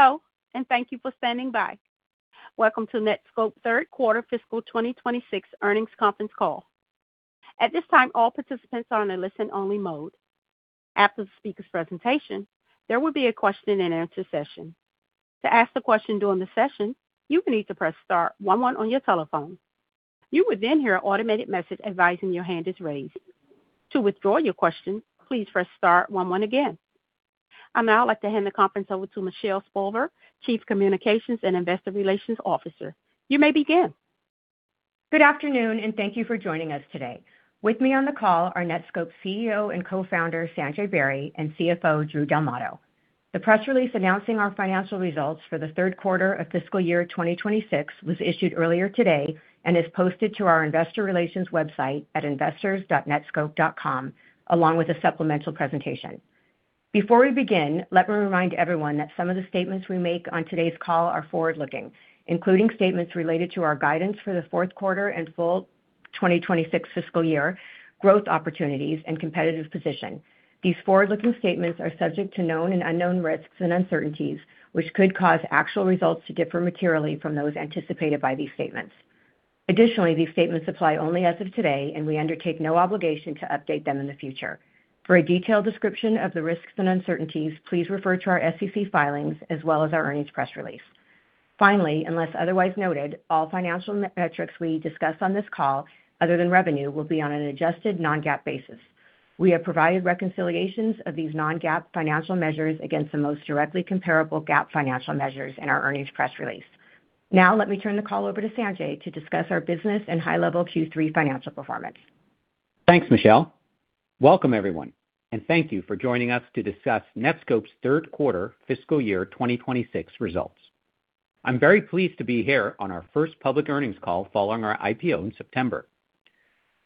Hello, and thank you for standing by. Welcome to Netskope third quarter fiscal 2026 earnings conference call. At this time, all participants are on a listen-only mode. After the speaker's presentation, there will be a question-and-answer session. To ask a question during the session, you will need to press Star 11 on your telephone. You will then hear an automated message advising your hand is raised. To withdraw your question, please press Star 11 again. I now would like to hand the conference over to Michelle Spolver, Chief Communications and Investor Relations Officer. You may begin. Good afternoon, and thank you for joining us today. With me on the call are Netskope CEO and Co-founder Sanjay Beri and CFO Drew Del Matto. The press release announcing our financial results for the third quarter of fiscal year 2026 was issued earlier today and is posted to our investor relations website at investors.netskope.com, along with a supplemental presentation. Before we begin, let me remind everyone that some of the statements we make on today's call are forward-looking, including statements related to our guidance for the fourth quarter and full 2026 fiscal year, growth opportunities, and competitive position. These forward-looking statements are subject to known and unknown risks and uncertainties, which could cause actual results to differ materially from those anticipated by these statements. Additionally, these statements apply only as of today, and we undertake no obligation to update them in the future. For a detailed description of the risks and uncertainties, please refer to our SEC filings as well as our earnings press release. Finally, unless otherwise noted, all financial metrics we discuss on this call, other than revenue, will be on an adjusted non-GAAP basis. We have provided reconciliations of these non-GAAP financial measures against the most directly comparable GAAP financial measures in our earnings press release. Now, let me turn the call over to Sanjay to discuss our business and high-level Q3 financial performance. Thanks, Michelle. Welcome, everyone, and thank you for joining us to discuss Netskope's third quarter fiscal year 2026 results. I'm very pleased to be here on our first public earnings call following our IPO in September.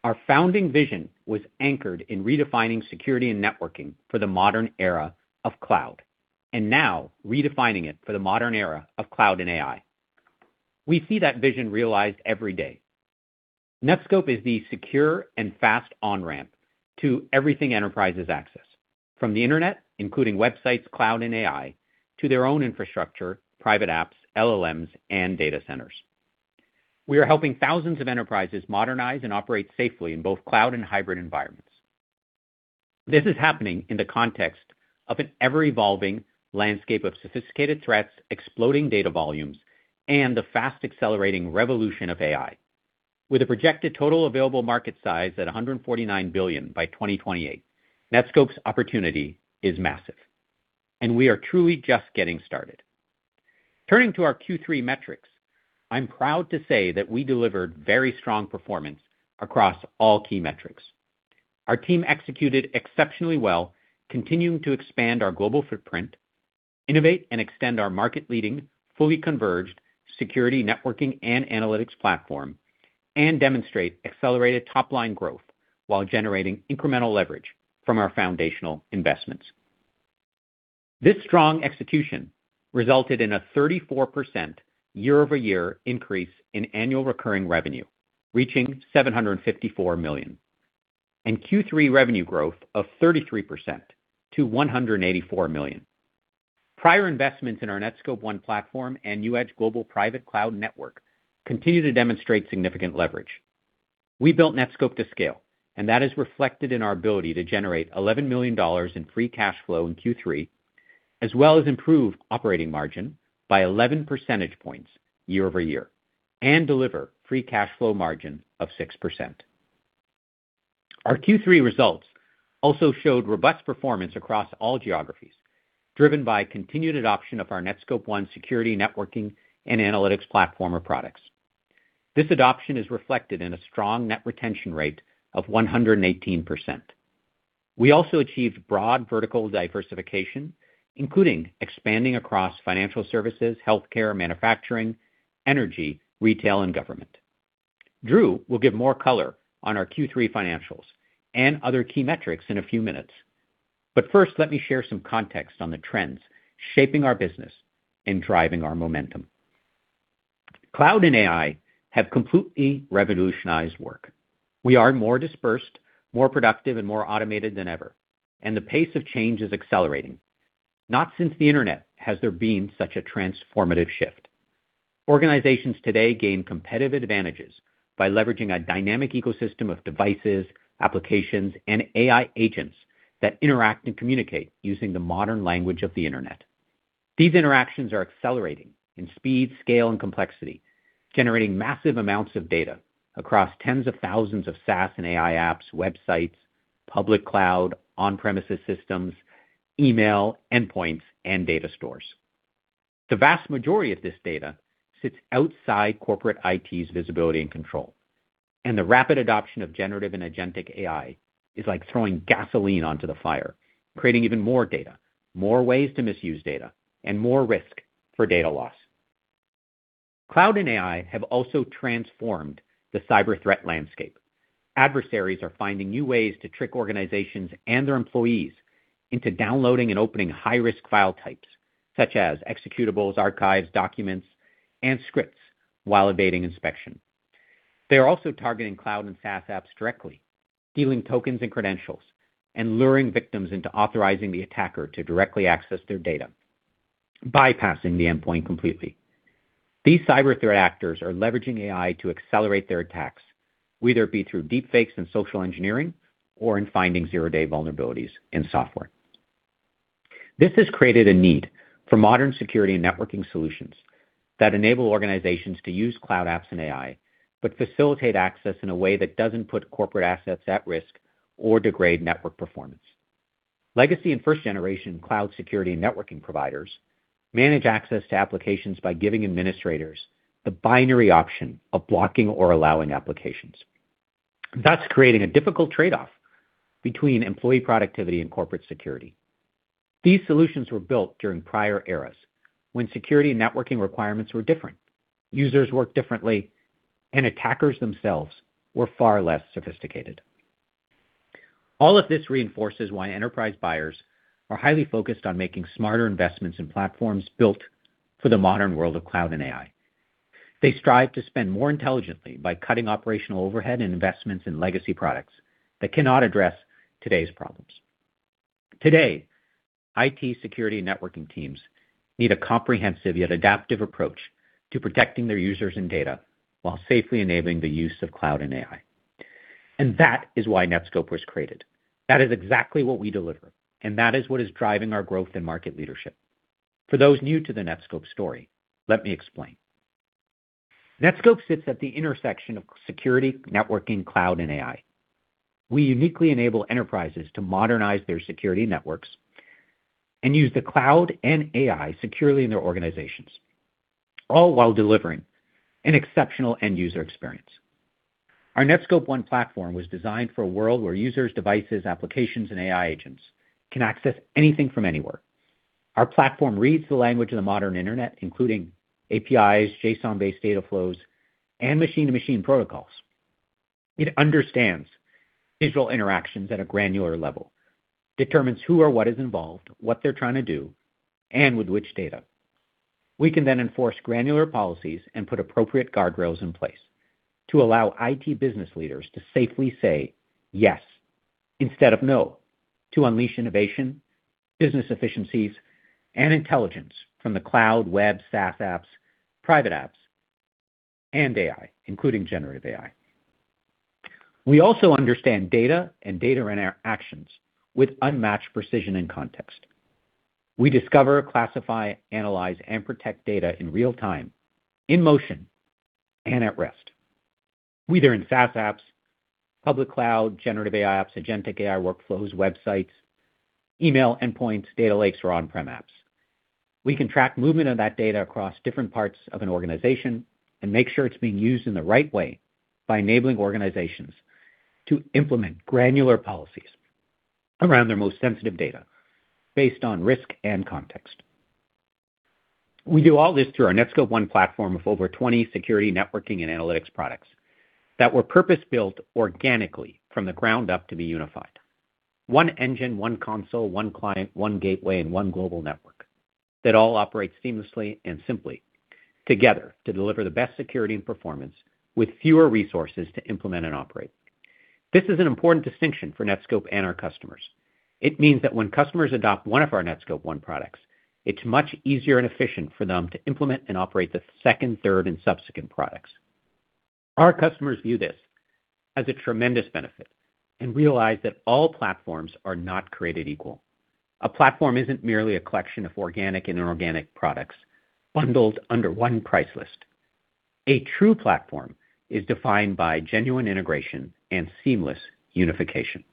Our founding vision was anchored in redefining security and networking for the modern era of cloud, and now redefining it for the modern era of cloud and AI. We see that vision realized every day. Netskope is the secure and fast on-ramp to everything enterprises access, from the internet, including websites, cloud, and AI, to their own infrastructure, private apps, LLMs, and data centers. We are helping thousands of enterprises modernize and operate safely in both cloud and hybrid environments. This is happening in the context of an ever-evolving landscape of sophisticated threats, exploding data volumes, and the fast-accelerating revolution of AI. With a projected total available market size at $149 billion by 2028, Netskope's opportunity is massive, and we are truly just getting started. Turning to our Q3 metrics, I'm proud to say that we delivered very strong performance across all key metrics. Our team executed exceptionally well, continuing to expand our global footprint, innovate and extend our market-leading, fully converged security networking and analytics platform, and demonstrate accelerated top-line growth while generating incremental leverage from our foundational investments. This strong execution resulted in a 34% year-over-year increase in annual recurring revenue, reaching $754 million, and Q3 revenue growth of 33% to $184 million. Prior investments in our Netskope One platform and NewEdge global private cloud network continue to demonstrate significant leverage. We built Netskope to scale, and that is reflected in our ability to generate $11 million in free cash flow in Q3, as well as improve operating margin by 11 percentage points year-over-year and deliver free cash flow margin of 6%. Our Q3 results also showed robust performance across all geographies, driven by continued adoption of our Netskope One security networking and analytics platform or products. This adoption is reflected in a strong net retention rate of 118%. We also achieved broad vertical diversification, including expanding across financial services, healthcare, manufacturing, energy, retail, and government. Drew will give more color on our Q3 financials and other key metrics in a few minutes, but first, let me share some context on the trends shaping our business and driving our momentum. Cloud and AI have completely revolutionized work. We are more dispersed, more productive, and more automated than ever, and the pace of change is accelerating. Not since the internet has there been such a transformative shift. Organizations today gain competitive advantages by leveraging a dynamic ecosystem of devices, applications, and AI agents that interact and communicate using the modern language of the internet. These interactions are accelerating in speed, scale, and complexity, generating massive amounts of data across tens of thousands of SaaS and AI apps, websites, public cloud, on-premises systems, email endpoints, and data stores. The vast majority of this data sits outside corporate IT's visibility and control, and the rapid adoption of generative and agentic AI is like throwing gasoline onto the fire, creating even more data, more ways to misuse data, and more risk for data loss. Cloud and AI have also transformed the cyber threat landscape. Adversaries are finding new ways to trick organizations and their employees into downloading and opening high-risk file types, such as executables, archives, documents, and scripts, while evading inspection. They are also targeting cloud and SaaS apps directly, stealing tokens and credentials, and luring victims into authorizing the attacker to directly access their data, bypassing the endpoint completely. These cyber threat actors are leveraging AI to accelerate their attacks, whether it be through deepfakes and social engineering or in finding zero-day vulnerabilities in software. This has created a need for modern security and networking solutions that enable organizations to use cloud apps and AI, but facilitate access in a way that doesn't put corporate assets at risk or degrade network performance. Legacy and first-generation cloud security and networking providers manage access to applications by giving administrators the binary option of blocking or allowing applications. That's creating a difficult trade-off between employee productivity and corporate security. These solutions were built during prior eras when security and networking requirements were different, users worked differently, and attackers themselves were far less sophisticated. All of this reinforces why enterprise buyers are highly focused on making smarter investments in platforms built for the modern world of cloud and AI. They strive to spend more intelligently by cutting operational overhead and investments in legacy products that cannot address today's problems. Today, IT security and networking teams need a comprehensive yet adaptive approach to protecting their users and data while safely enabling the use of cloud and AI. And that is why Netskope was created. That is exactly what we deliver, and that is what is driving our growth and market leadership. For those new to the Netskope story, let me explain. Netskope sits at the intersection of security, networking, cloud, and AI. We uniquely enable enterprises to modernize their security networks and use the cloud and AI securely in their organizations, all while delivering an exceptional end-user experience. Our Netskope One platform was designed for a world where users, devices, applications, and AI agents can access anything from anywhere. Our platform reads the language of the modern internet, including APIs, JSON-based data flows, and machine-to-machine protocols. It understands digital interactions at a granular level, determines who or what is involved, what they're trying to do, and with which data. We can then enforce granular policies and put appropriate guardrails in place to allow IT business leaders to safely say yes instead of no to unleash innovation, business efficiencies, and intelligence from the cloud, web, SaaS apps, private apps, and AI, including generative AI. We also understand data and our actions with unmatched precision and context. We discover, classify, analyze, and protect data in real time, in motion, and at rest, either in SaaS apps, public cloud, generative AI apps, agentic AI workflows, websites, email endpoints, data lakes, or on-prem apps. We can track movement of that data across different parts of an organization and make sure it's being used in the right way by enabling organizations to implement granular policies around their most sensitive data based on risk and context. We do all this through our Netskope One platform of over 20 security networking and analytics products that were purpose-built organically from the ground up to be unified. One engine, one console, one client, one gateway, and one global network that all operate seamlessly and simply together to deliver the best security and performance with fewer resources to implement and operate. This is an important distinction for Netskope and our customers. It means that when customers adopt one of our Netskope One products, it's much easier and efficient for them to implement and operate the second, third, and subsequent products. Our customers view this as a tremendous benefit and realize that all platforms are not created equal. A platform isn't merely a collection of organic and inorganic products bundled under one price list. A true platform is defined by genuine integration and seamless unification.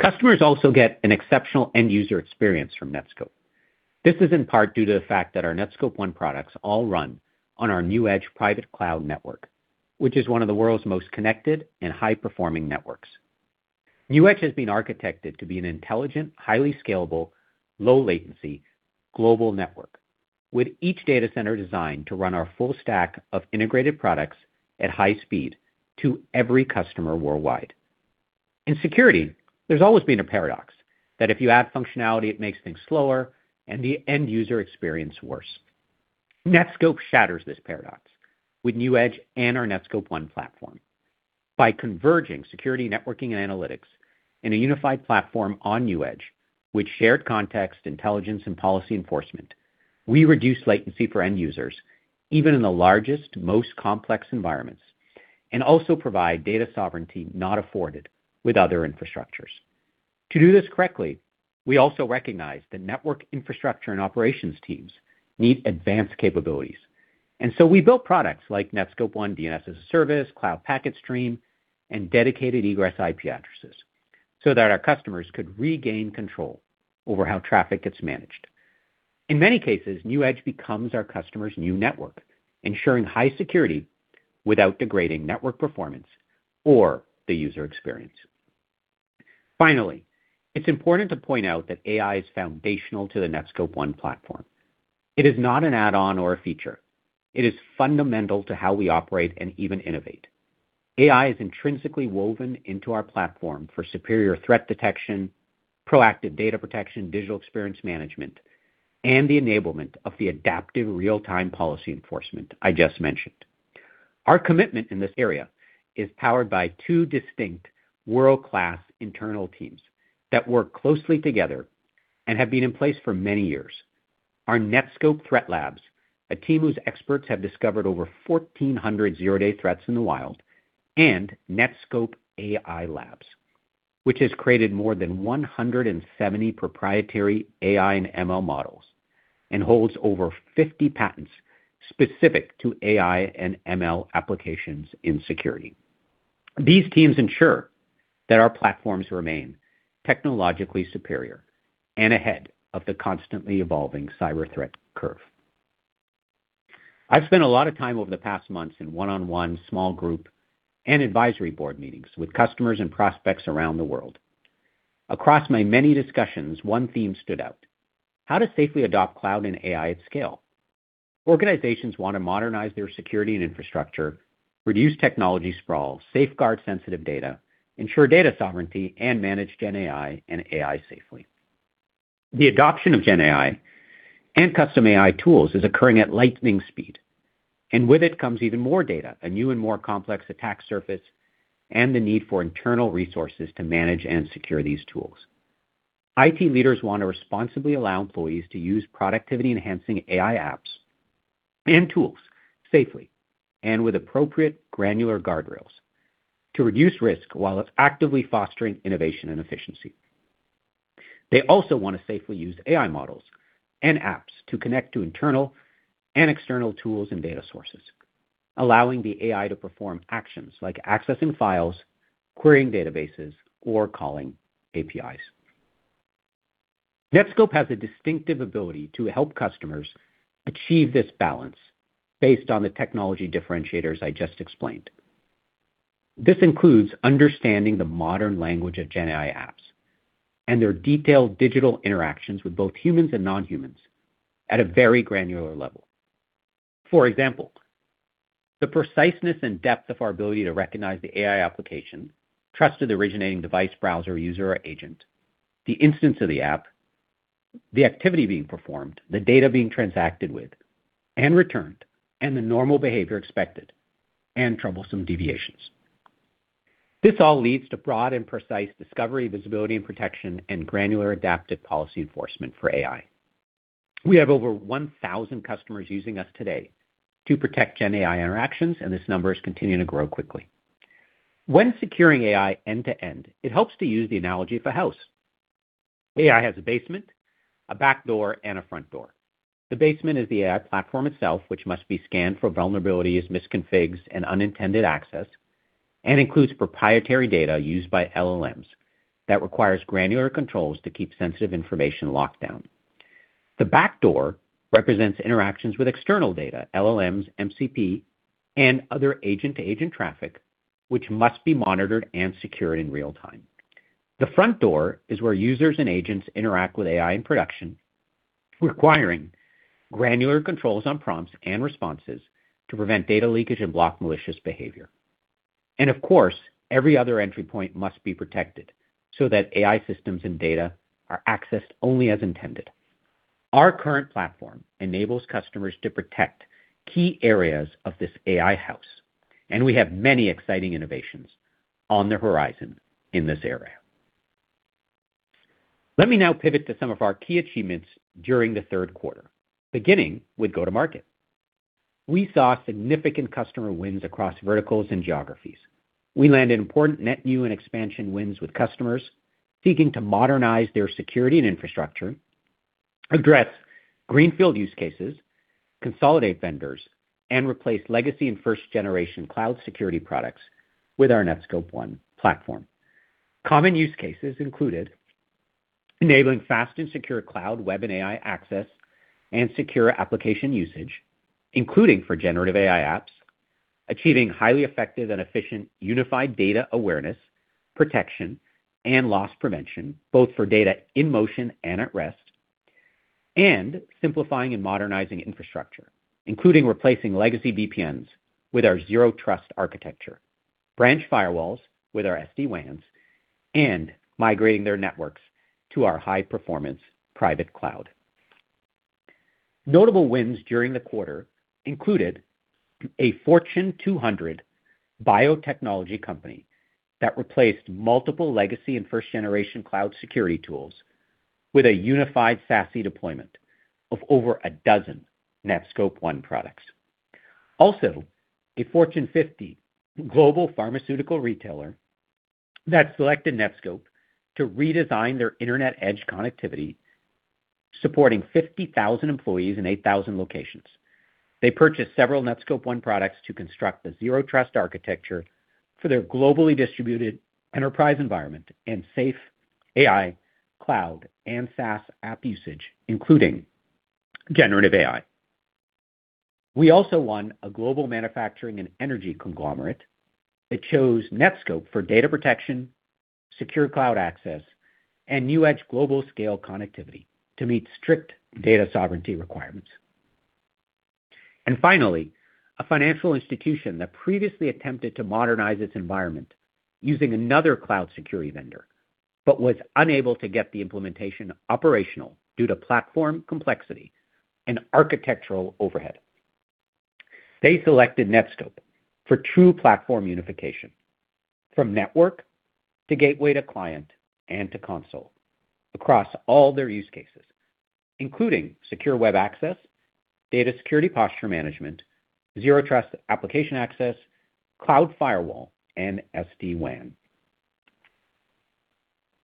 Customers also get an exceptional end-user experience from Netskope. This is in part due to the fact that our Netskope One products all run on our NewEdge private cloud network, which is one of the world's most connected and high-performing networks. NewEdge has been architected to be an intelligent, highly scalable, low-latency global network, with each data center designed to run our full stack of integrated products at high speed to every customer worldwide. In security, there's always been a paradox that if you add functionality, it makes things slower and the end-user experience worse. Netskope shatters this paradox with NewEdge and our Netskope One platform. By converging security, networking, and analytics in a unified platform on NewEdge, with shared context, intelligence, and policy enforcement, we reduce latency for end users, even in the largest, most complex environments, and also provide data sovereignty not afforded with other infrastructures. To do this correctly, we also recognize that network infrastructure and operations teams need advanced capabilities. And so we built products like Netskope One DNS as a service, Cloud Packet Stream, and dedicated egress IP addresses so that our customers could regain control over how traffic gets managed. In many cases, NewEdge becomes our customer's new network, ensuring high security without degrading network performance or the user experience. Finally, it's important to point out that AI is foundational to the Netskope One platform. It is not an add-on or a feature. It is fundamental to how we operate and even innovate. AI is intrinsically woven into our platform for superior threat detection, proactive data protection, digital experience management, and the enablement of the adaptive real-time policy enforcement I just mentioned. Our commitment in this area is powered by two distinct world-class internal teams that work closely together and have been in place for many years: our Netskope Threat Labs, a team whose experts have discovered over 1,400 zero-day threats in the wild, and Netskope AI Labs, which has created more than 170 proprietary AI and ML models and holds over 50 patents specific to AI and ML applications in security. These teams ensure that our platforms remain technologically superior and ahead of the constantly evolving cyber threat curve. I've spent a lot of time over the past months in one-on-one, small group, and advisory board meetings with customers and prospects around the world. Across my many discussions, one theme stood out: how to safely adopt cloud and AI at scale. Organizations want to modernize their security and infrastructure, reduce technology sprawl, safeguard sensitive data, ensure data sovereignty, and manage GenAI and AI safely. The adoption of GenAI and custom AI tools is occurring at lightning speed, and with it comes even more data, a new and more complex attack surface, and the need for internal resources to manage and secure these tools. IT leaders want to responsibly allow employees to use productivity-enhancing AI apps and tools safely and with appropriate granular guardrails to reduce risk while actively fostering innovation and efficiency. They also want to safely use AI models and apps to connect to internal and external tools and data sources, allowing the AI to perform actions like accessing files, querying databases, or calling APIs. Netskope has a distinctive ability to help customers achieve this balance based on the technology differentiators I just explained. This includes understanding the modern language of GenAI apps and their detailed digital interactions with both humans and non-humans at a very granular level. For example, the preciseness and depth of our ability to recognize the AI application, trusted originating device, browser, user, or agent, the instance of the app, the activity being performed, the data being transacted with and returned, and the normal behavior expected and troublesome deviations. This all leads to broad and precise discovery, visibility, and protection, and granular adaptive policy enforcement for AI. We have over 1,000 customers using us today to protect GenAI interactions, and this number is continuing to grow quickly. When securing AI end-to-end, it helps to use the analogy of a house. AI has a basement, a back door, and a front door. The basement is the AI platform itself, which must be scanned for vulnerabilities, misconfigs, and unintended access, and includes proprietary data used by LLMs that requires granular controls to keep sensitive information locked down. The back door represents interactions with external data, LLMs, MCP, and other agent-to-agent traffic, which must be monitored and secured in real time. The front door is where users and agents interact with AI in production, requiring granular controls on prompts and responses to prevent data leakage and block malicious behavior. And of course, every other entry point must be protected so that AI systems and data are accessed only as intended. Our current platform enables customers to protect key areas of this AI house, and we have many exciting innovations on the horizon in this area. Let me now pivot to some of our key achievements during the third quarter, beginning with go-to-market. We saw significant customer wins across verticals and geographies. We landed important net new and expansion wins with customers seeking to modernize their security and infrastructure, address greenfield use cases, consolidate vendors, and replace legacy and first-generation cloud security products with our Netskope One platform. Common use cases included enabling fast and secure cloud, web, and AI access and secure application usage, including for generative AI apps, achieving highly effective and efficient unified data awareness, protection, and loss prevention, both for data in motion and at rest, and simplifying and modernizing infrastructure, including replacing legacy VPNs with our zero-trust architecture, branch firewalls with our SD-WANs, and migrating their networks to our high-performance private cloud. Notable wins during the quarter included a Fortune 200 biotechnology company that replaced multiple legacy and first-generation cloud security tools with a unified SASE deployment of over a dozen Netskope One products. Also, a Fortune 50 global pharmaceutical retailer that selected Netskope to redesign their internet edge connectivity, supporting 50,000 employees in 8,000 locations. They purchased several Netskope One products to construct the zero-trust architecture for their globally distributed enterprise environment and safe AI, cloud, and SaaS app usage, including generative AI. We also won a global manufacturing and energy conglomerate that chose Netskope for data protection, secure cloud access, and NewEdge global scale connectivity to meet strict data sovereignty requirements. And finally, a financial institution that previously attempted to modernize its environment using another cloud security vendor but was unable to get the implementation operational due to platform complexity and architectural overhead. They selected Netskope for true platform unification from network to gateway to client and to console across all their use cases, including secure web access, data security posture management, zero-trust application access, cloud firewall, and SD-WAN.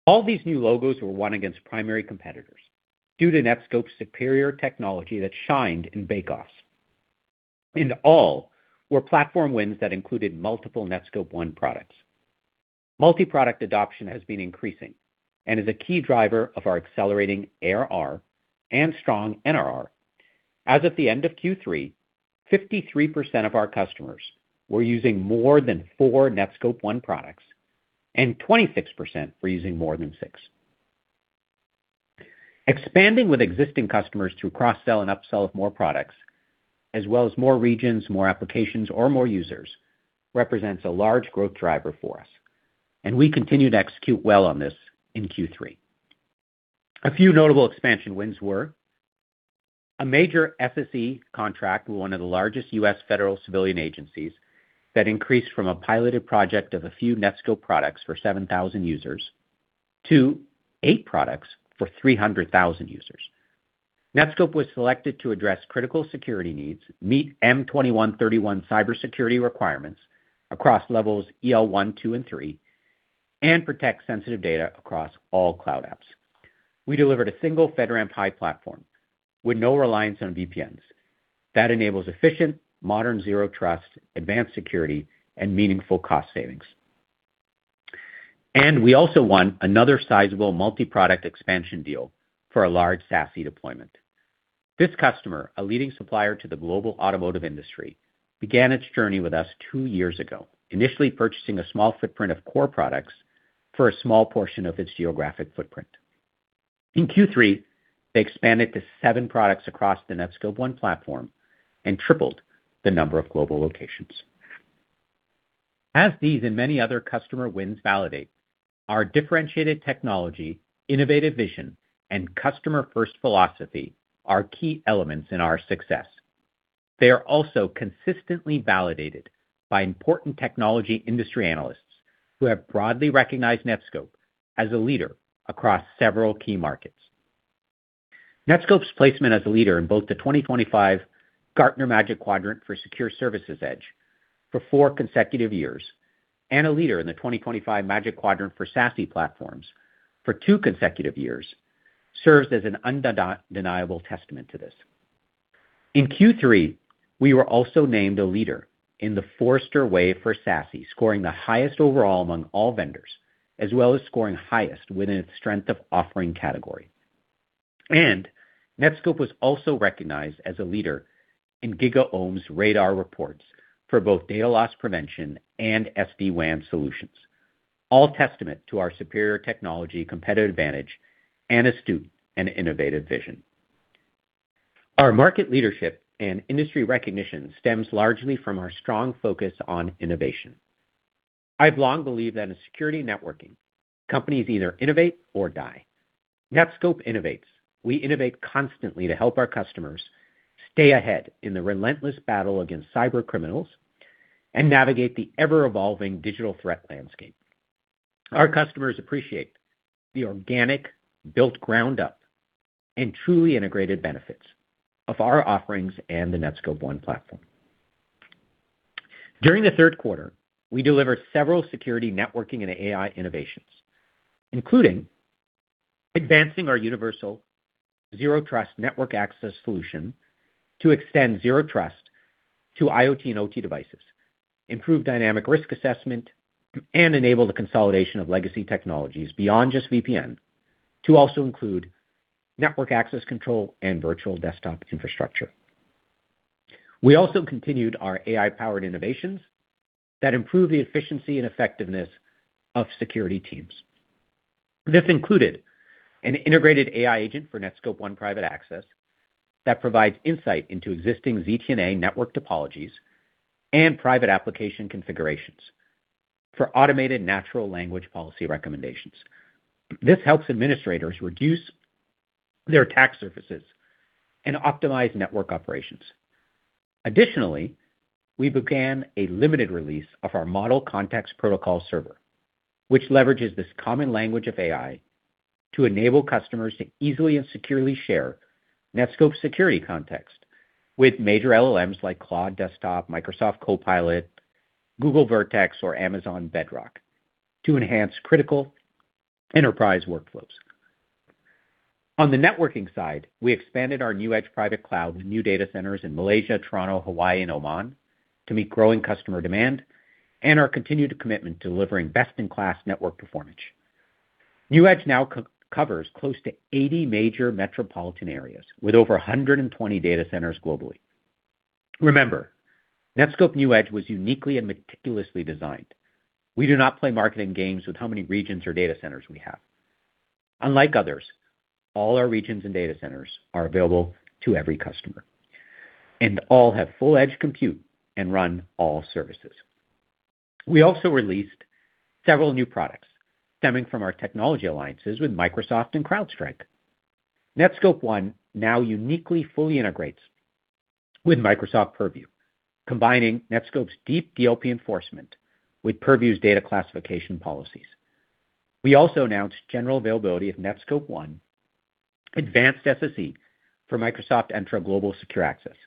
All these new logos were won against primary competitors due to Netskope's superior technology that shined in bake-offs. In all, were platform wins that included multiple Netskope One products. Multi-product adoption has been increasing and is a key driver of our accelerating ARR and strong NRR. As of the end of Q3, 53% of our customers were using more than four Netskope One products, and 26% were using more than six. Expanding with existing customers through cross-sell and up-sell of more products, as well as more regions, more applications, or more users, represents a large growth driver for us, and we continue to execute well on this in Q3. A few notable expansion wins were a major SSE contract with one of the largest U.S. federal civilian agencies that increased from a piloted project of a few Netskope products for 7,000 users to eight products for 300,000 users. Netskope was selected to address critical security needs, meet M-21-31 cybersecurity requirements across levels EL1, 2, and 3, and protect sensitive data across all cloud apps. We delivered a single FedRAMP High platform with no reliance on VPNs that enables efficient, modern zero-trust, advanced security, and meaningful cost savings, and we also won another sizable multi-product expansion deal for a large SASE deployment. This customer, a leading supplier to the global automotive industry, began its journey with us two years ago, initially purchasing a small footprint of core products for a small portion of its geographic footprint. In Q3, they expanded to seven products across the Netskope One platform and tripled the number of global locations. As these and many other customer wins validate, our differentiated technology, innovative vision, and customer-first philosophy are key elements in our success. They are also consistently validated by important technology industry analysts who have broadly recognized Netskope as a leader across several key markets. Netskope's placement as a leader in both the 2025 Gartner Magic Quadrant for Security Service Edge for four consecutive years and a leader in the 2025 Magic Quadrant for SASE platforms for two consecutive years serves as an undeniable testament to this. In Q3, we were also named a leader in the Forrester Wave for SASE, scoring the highest overall among all vendors, as well as scoring highest within its strength of offering category. And Netskope was also recognized as a leader in GigaOm's radar reports for both data loss prevention and SD-WAN solutions, all testament to our superior technology, competitive advantage, and astute and innovative vision. Our market leadership and industry recognition stems largely from our strong focus on innovation. I've long believed that in security networking, companies either innovate or die. Netskope innovates. We innovate constantly to help our customers stay ahead in the relentless battle against cybercriminals and navigate the ever-evolving digital threat landscape. Our customers appreciate the organic, built ground-up, and truly integrated benefits of our offerings and the Netskope One platform. During the third quarter, we delivered several security networking and AI innovations, including advancing our universal zero-trust network access solution to extend zero trust to IoT and OT devices, improve dynamic risk assessment, and enable the consolidation of legacy technologies beyond just VPN to also include network access control and virtual desktop infrastructure. We also continued our AI-powered innovations that improve the efficiency and effectiveness of security teams. This included an integrated AI agent for Netskope One Private Access that provides insight into existing ZTNA network topologies and private application configurations for automated natural language policy recommendations. This helps administrators reduce their attack surfaces and optimize network operations. Additionally, we began a limited release of our Model Context Protocol server, which leverages this common language of AI to enable customers to easily and securely share Netskope security context with major LLMs like Claude Desktop, Microsoft Copilot, Google Vertex, or Amazon Bedrock to enhance critical enterprise workflows. On the networking side, we expanded our Netskope NewEdge private cloud with new data centers in Malaysia, Toronto, Hawaii, and Oman to meet growing customer demand and our continued commitment to delivering best-in-class network performance. NewEdge now covers close to 80 major metropolitan areas with over 120 data centers globally. Remember, Netskope NewEdge was uniquely and meticulously designed. We do not play marketing games with how many regions or data centers we have. Unlike others, all our regions and data centers are available to every customer, and all have full edge compute and run all services. We also released several new products stemming from our technology alliances with Microsoft and CrowdStrike. Netskope One now uniquely fully integrates with Microsoft Purview, combining Netskope's deep DLP enforcement with Purview's data classification policies. We also announced general availability of Netskope One Advanced SSE for Microsoft Entra Global Secure Access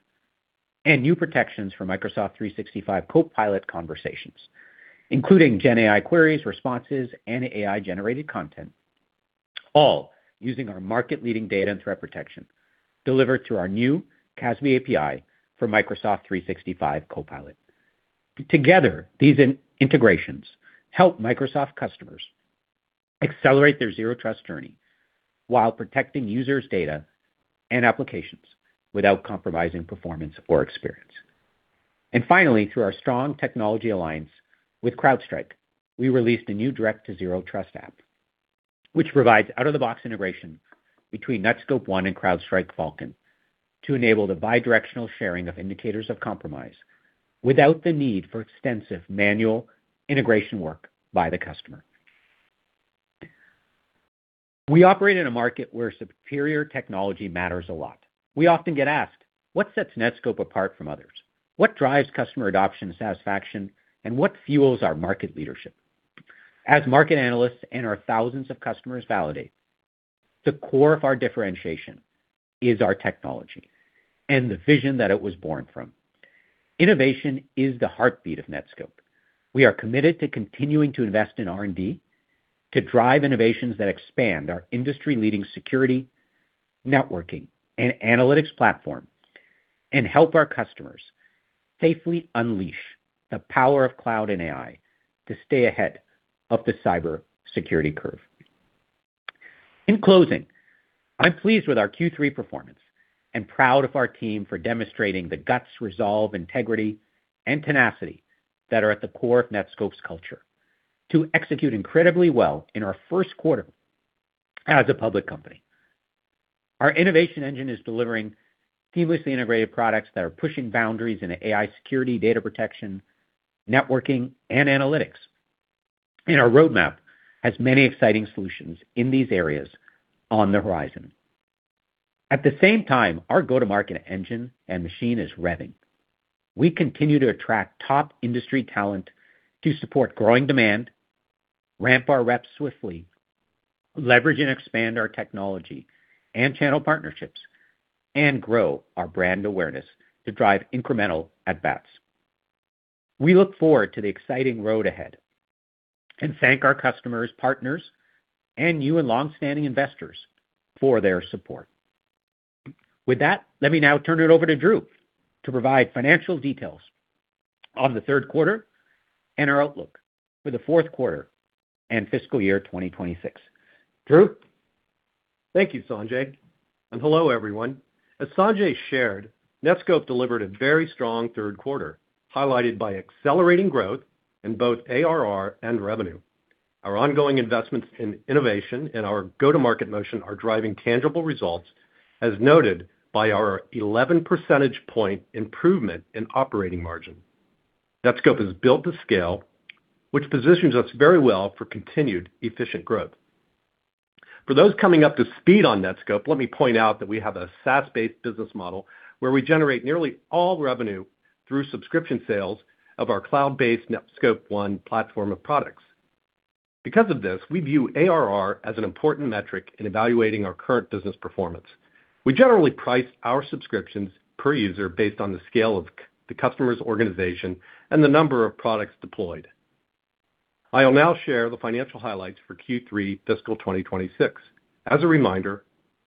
and new protections for Microsoft 365 Copilot conversations, including GenAI queries, responses, and AI-generated content, all using our market-leading data and threat protection delivered through our new CASB API for Microsoft 365 Copilot. Together, these integrations help Microsoft customers accelerate their zero-trust journey while protecting users' data and applications without compromising performance or experience. Finally, through our strong technology alliance with CrowdStrike, we released a new direct-to-zero trust app, which provides out-of-the-box integration between Netskope One and CrowdStrike Falcon to enable the bidirectional sharing of indicators of compromise without the need for extensive manual integration work by the customer. We operate in a market where superior technology matters a lot. We often get asked, "What sets Netskope apart from others? What drives customer adoption and satisfaction, and what fuels our market leadership?" As market analysts and our thousands of customers validate, the core of our differentiation is our technology and the vision that it was born from. Innovation is the heartbeat of Netskope. We are committed to continuing to invest in R&D to drive innovations that expand our industry-leading security networking and analytics platform and help our customers safely unleash the power of cloud and AI to stay ahead of the cybersecurity curve. In closing, I'm pleased with our Q3 performance and proud of our team for demonstrating the guts, resolve, integrity, and tenacity that are at the core of Netskope's culture to execute incredibly well in our first quarter as a public company. Our innovation engine is delivering seamlessly integrated products that are pushing boundaries in AI security, data protection, networking, and analytics, and our roadmap has many exciting solutions in these areas on the horizon. At the same time, our go-to-market engine and machine is revving. We continue to attract top industry talent to support growing demand, ramp our reps swiftly, leverage and expand our technology and channel partnerships, and grow our brand awareness to drive incremental advance. We look forward to the exciting road ahead and thank our customers, partners, and you and longstanding investors for their support. With that, let me now turn it over to Drew to provide financial details on the third quarter and our outlook for the fourth quarter and fiscal year 2026. Drew? Thank you, Sanjay. And hello, everyone. As Sanjay shared, Netskope delivered a very strong third quarter, highlighted by accelerating growth in both ARR and revenue. Our ongoing investments in innovation and our go-to-market motion are driving tangible results, as noted by our 11 percentage point improvement in operating margin. Netskope has built the scale, which positions us very well for continued efficient growth. For those coming up to speed on Netskope, let me point out that we have a SaaS-based business model where we generate nearly all revenue through subscription sales of our cloud-based Netskope One platform of products. Because of this, we view ARR as an important metric in evaluating our current business performance. We generally price our subscriptions per user based on the scale of the customer's organization and the number of products deployed. I'll now share the financial highlights for Q3 fiscal 2026. As a reminder,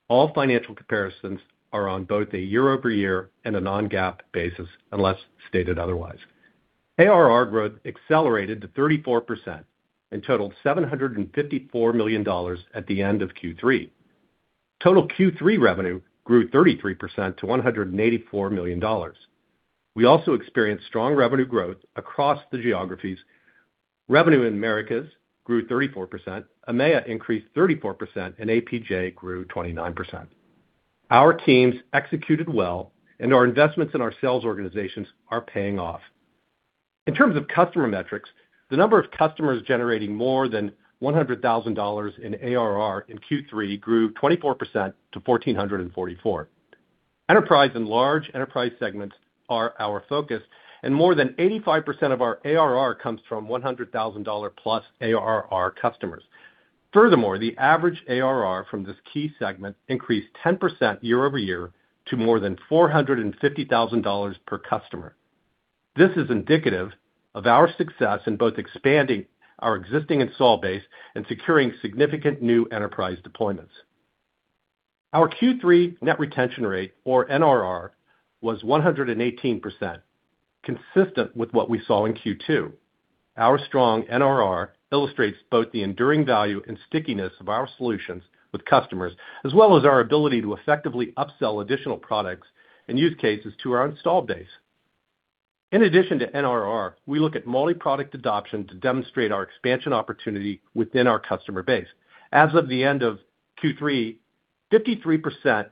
all financial comparisons are on both a year-over-year and a non-GAAP basis, unless stated otherwise. ARR growth accelerated to 34% and totaled $754 million at the end of Q3. Total Q3 revenue grew 33% to $184 million. We also experienced strong revenue growth across the geographies. Revenue in Americas grew 34%. EMEA increased 34%, and APJ grew 29%. Our teams executed well, and our investments in our sales organizations are paying off. In terms of customer metrics, the number of customers generating more than $100,000 in ARR in Q3 grew 24% to 1,444. Enterprise and large enterprise segments are our focus, and more than 85% of our ARR comes from $100,000+ ARR customers. Furthermore, the average ARR from this key segment increased 10% year-over-year to more than $450,000 per customer. This is indicative of our success in both expanding our existing install base and securing significant new enterprise deployments. Our Q3 net retention rate, or NRR, was 118%, consistent with what we saw in Q2. Our strong NRR illustrates both the enduring value and stickiness of our solutions with customers, as well as our ability to effectively upsell additional products and use cases to our install base. In addition to NRR, we look at multi-product adoption to demonstrate our expansion opportunity within our customer base. As of the end of Q3, 53%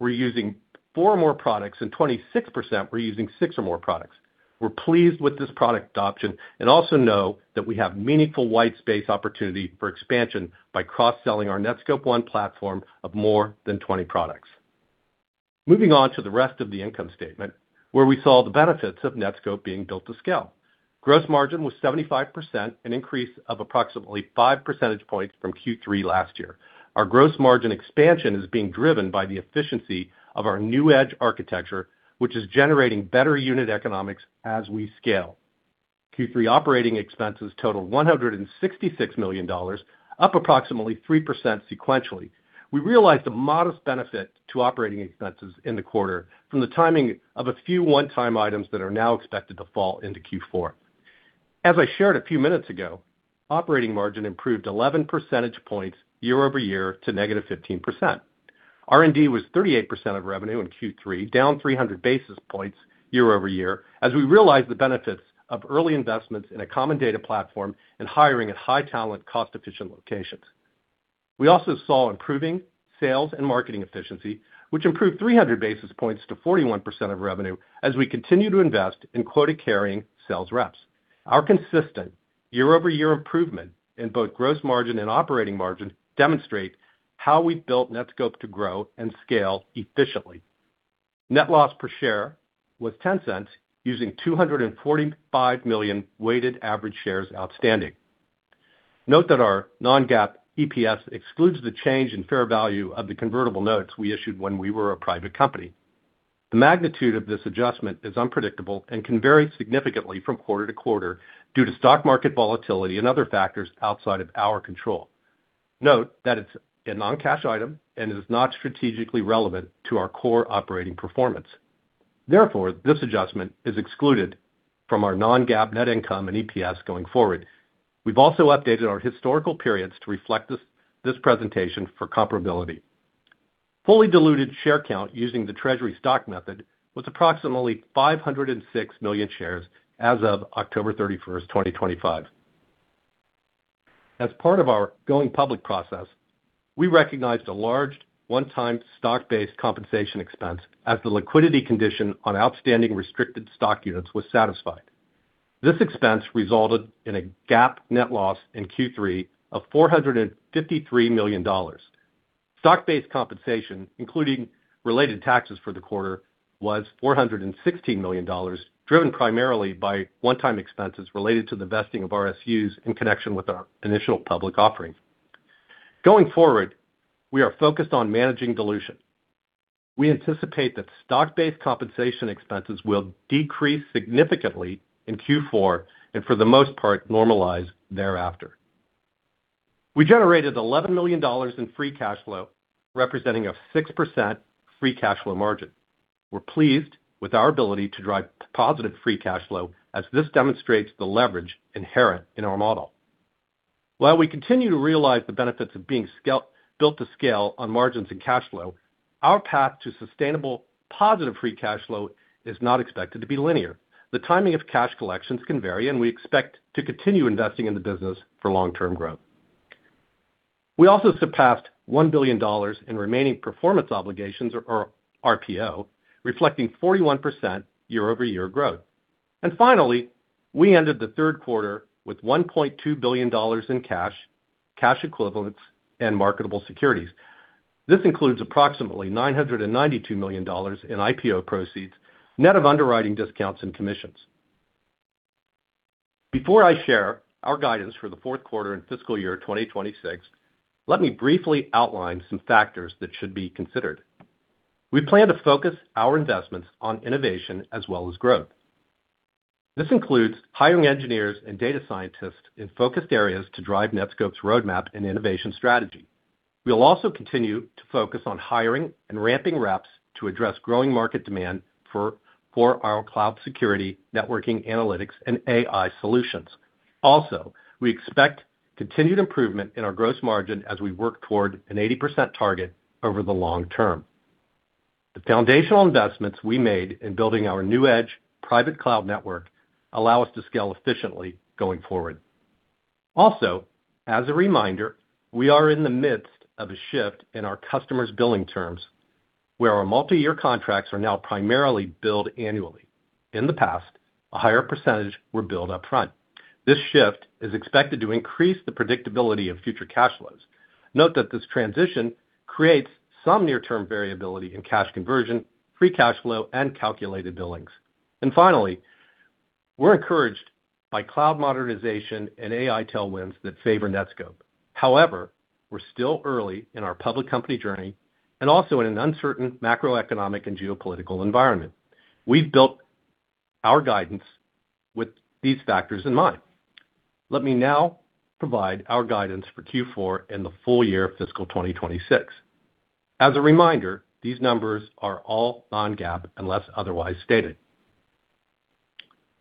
were using four or more products, and 26% were using six or more products. We're pleased with this product adoption and also know that we have meaningful white space opportunity for expansion by cross-selling our Netskope One platform of more than 20 products. Moving on to the rest of the income statement, where we saw the benefits of Netskope being built to scale. Gross margin was 75%, an increase of approximately 5 percentage points from Q3 last year. Our gross margin expansion is being driven by the efficiency of our new edge architecture, which is generating better unit economics as we scale. Q3 operating expenses totaled $166 million, up approximately 3% sequentially. We realized a modest benefit to operating expenses in the quarter from the timing of a few one-time items that are now expected to fall into Q4. As I shared a few minutes ago, operating margin improved 11 percentage points year-over-year to -15%. R&D was 38% of revenue in Q3, down 300 basis points year-over-year, as we realized the benefits of early investments in a common data platform and hiring at high-talent, cost-efficient locations. We also saw improving sales and marketing efficiency, which improved 300 basis points to 41% of revenue as we continue to invest in quota-carrying sales reps. Our consistent year-over-year improvement in both gross margin and operating margin demonstrates how we've built Netskope to grow and scale efficiently. Net loss per share was $0.10 using 245 million weighted average shares outstanding. Note that our non-GAAP EPS excludes the change in fair value of the convertible notes we issued when we were a private company. The magnitude of this adjustment is unpredictable and can vary significantly from quarter to quarter due to stock market volatility and other factors outside of our control. Note that it's a non-cash item and is not strategically relevant to our core operating performance. Therefore, this adjustment is excluded from our non-GAAP net income and EPS going forward. We've also updated our historical periods to reflect this presentation for comparability. Fully diluted share count using the treasury stock method was approximately 506 million shares as of October 31st, 2025. As part of our going public process, we recognized a large one-time stock-based compensation expense as the liquidity condition on outstanding restricted stock units was satisfied. This expense resulted in a GAAP net loss in Q3 of $453 million. Stock-based compensation, including related taxes for the quarter, was $416 million, driven primarily by one-time expenses related to the vesting of RSUs in connection with our initial public offering. Going forward, we are focused on managing dilution. We anticipate that stock-based compensation expenses will decrease significantly in Q4 and, for the most part, normalize thereafter. We generated $11 million in free cash flow, representing a 6% free cash flow margin. We're pleased with our ability to drive positive free cash flow as this demonstrates the leverage inherent in our model. While we continue to realize the benefits of being built to scale on margins and cash flow, our path to sustainable positive free cash flow is not expected to be linear. The timing of cash collections can vary, and we expect to continue investing in the business for long-term growth. We also surpassed $1 billion in remaining performance obligations, or RPO, reflecting 41% year-over-year growth. And finally, we ended the third quarter with $1.2 billion in cash, cash equivalents, and marketable securities. This includes approximately $992 million in IPO proceeds, net of underwriting discounts and commissions. Before I share our guidance for the fourth quarter and fiscal year 2026, let me briefly outline some factors that should be considered. We plan to focus our investments on innovation as well as growth. This includes hiring engineers and data scientists in focused areas to drive Netskope's roadmap and innovation strategy. We'll also continue to focus on hiring and ramping reps to address growing market demand for our cloud security, networking, analytics, and AI solutions. Also, we expect continued improvement in our gross margin as we work toward an 80% target over the long term. The foundational investments we made in building our NewEdge private cloud network allow us to scale efficiently going forward. Also, as a reminder, we are in the midst of a shift in our customers' billing terms, where our multi-year contracts are now primarily billed annually. In the past, a higher percentage were billed upfront. This shift is expected to increase the predictability of future cash flows. Note that this transition creates some near-term variability in cash conversion, free cash flow, and calculated billings. And finally, we're encouraged by cloud modernization and AI tailwinds that favor Netskope. However, we're still early in our public company journey and also in an uncertain macroeconomic and geopolitical environment. We've built our guidance with these factors in mind. Let me now provide our guidance for Q4 and the full year fiscal 2026. As a reminder, these numbers are all non-GAAP unless otherwise stated.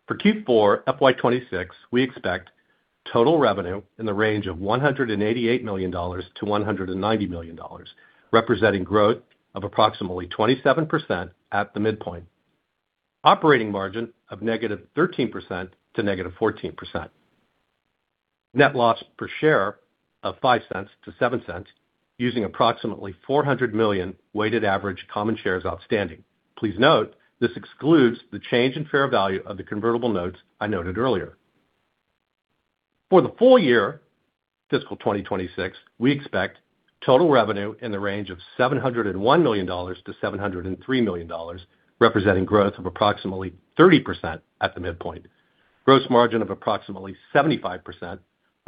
For Q4 FY 2026, we expect total revenue in the range of $188 million-$190 million, representing growth of approximately 27% at the midpoint, operating margin of -13% to -14%, net loss per share of $0.05-$0.07 using approximately 400 million weighted average common shares outstanding. Please note this excludes the change in fair value of the convertible notes I noted earlier. For the full year fiscal 2026, we expect total revenue in the range of $701 million-$703 million, representing growth of approximately 30% at the midpoint, gross margin of approximately 75%,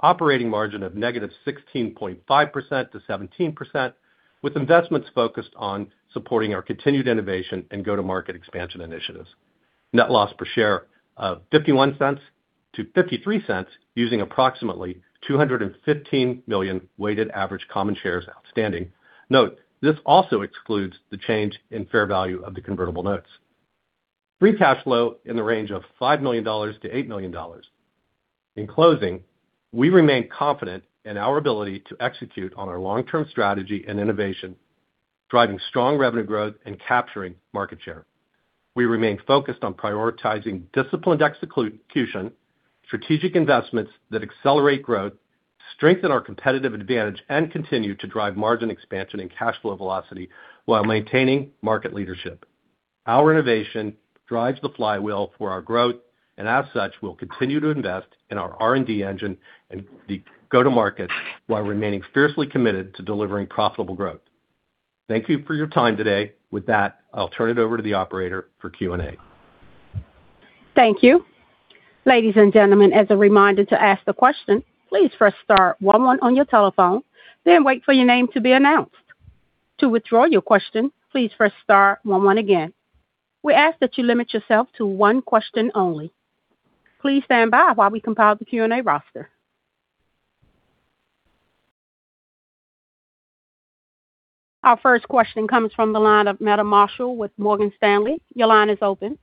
operating margin of -16.5% to -17%, with investments focused on supporting our continued innovation and go-to-market expansion initiatives. Net loss per share of $0.51-$0.53 using approximately 215 million weighted average common shares outstanding. Note this also excludes the change in fair value of the convertible notes. Free cash flow in the range of $5 million-$8 million. In closing, we remain confident in our ability to execute on our long-term strategy and innovation, driving strong revenue growth and capturing market share. We remain focused on prioritizing discipline execution, strategic investments that accelerate growth, strengthen our competitive advantage, and continue to drive margin expansion and cash flow velocity while maintaining market leadership. Our innovation drives the flywheel for our growth, and as such, we'll continue to invest in our R&D engine and the go-to-market while remaining fiercely committed to delivering profitable growth. Thank you for your time today. With that, I'll turn it over to the operator for Q&A. Thank you. Ladies and gentlemen, as a reminder to ask the question, please press star 11 on your telephone, then wait for your name to be announced. To withdraw your question, please press star 11 again. We ask that you limit yourself to one question only. Please stand by while we compile the Q&A roster. Our first question comes from the line of Meta Marshall with Morgan Stanley. Your line is open.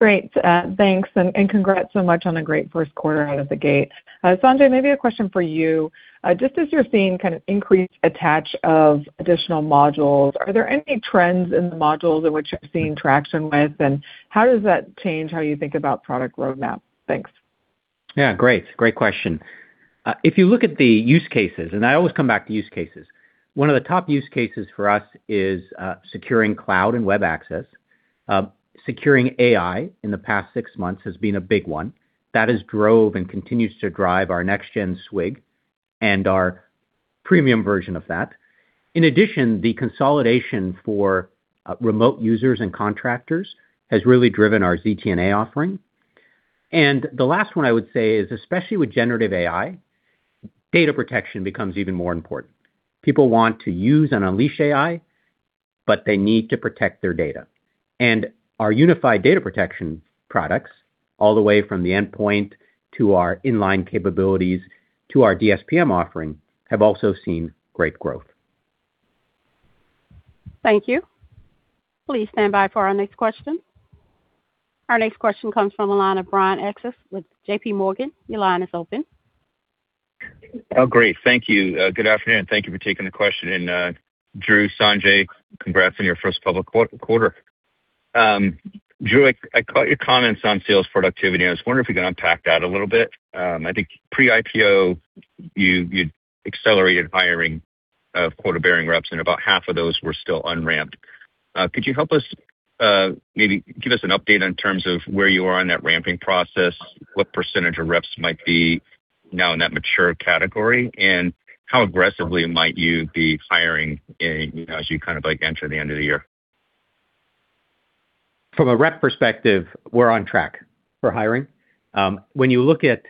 Great. Thanks, and congrats so much on a great first quarter out of the gate. Sanjay, maybe a question for you. Just as you're seeing kind of increased attach of additional modules, are there any trends in the modules in which you're seeing traction with, and how does that change how you think about product roadmap? Thanks. Yeah, great. Great question. If you look at the use cases, and I always come back to use cases, one of the top use cases for us is securing cloud and web access. Securing AI in the past six months has been a big one. That has drove and continues to drive our next-gen SWG and our premium version of that. In addition, the consolidation for remote users and contractors has really driven our ZTNA offering. And the last one I would say is, especially with generative AI, data protection becomes even more important. People want to use and unleash AI, but they need to protect their data. And our unified data protection products, all the way from the endpoint to our inline capabilities to our DSPM offering, have also seen great growth. Thank you. Please stand by for our next question. Our next question comes from the line of Brian Essex with JPMorgan. Your line is open. Oh, great. Thank you. Good afternoon. Thank you for taking the question, and Drew, Sanjay, congrats on your first public quarter. Drew, I caught your comments on sales productivity. I was wondering if you could unpack that a little bit. I think pre-IPO, you accelerated hiring of quota-bearing reps, and about half of those were still unramped. Could you help us maybe give us an update in terms of where you are on that ramping process, what percentage of reps might be now in that mature category, and how aggressively might you be hiring as you kind of enter the end of the year? From a rep perspective, we're on track for hiring. When you look at,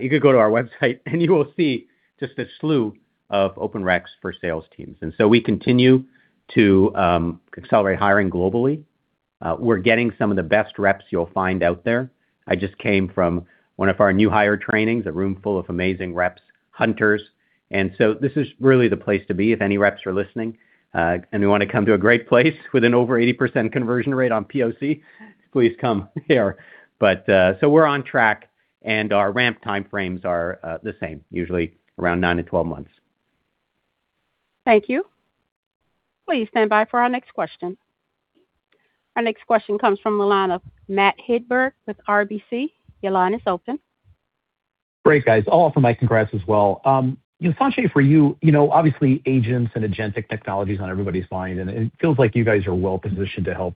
you could go to our website, and you will see just a slew of open reps for sales teams. And so we continue to accelerate hiring globally. We're getting some of the best reps you'll find out there. I just came from one of our new hire trainings, a room full of amazing reps, hunters. So this is really the place to be if any reps are listening. We want to come to a great place with an over 80% conversion rate on POC. Please come here. We're on track, and our ramp time frames are the same, usually around 9-12 months. Thank you. Please stand by for our next question. Our next question comes from the line of Matt Hedberg with RBC. Your line is open. Great, guys. All of them, congrats as well. Sanjay, for you, obviously, agents and agentic technology is on everybody's mind, and it feels like you guys are well-positioned to help